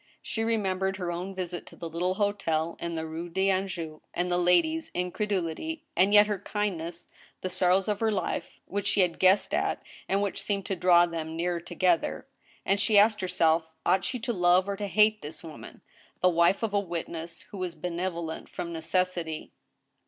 She remembered her own visit to the little hotel in the Rue d'Anjou, and the lady's incredulity, and yet her kindness, the sorrows of her life, which she had guessed at, and which seemed to draw them nearer together, and she asked herself, ought she to love or hate this woman, the wife of a witness, who was benevolent from neces sity?